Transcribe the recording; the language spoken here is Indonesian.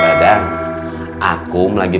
aku lagi ngejahit seragam sekolahnya pebrik ceng